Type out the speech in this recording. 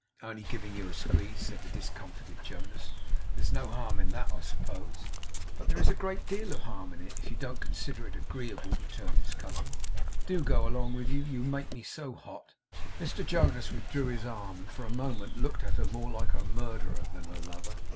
'Only giving you a squeeze,' said the discomfited Jonas. 'There's no harm in that, I suppose?' 'But there is great deal of harm in it, if I don't consider it agreeable,' returned his cousin. 'Do go along, will you? You make me so hot!' Mr Jonas withdrew his arm, and for a moment looked at her more like a murderer than a lover.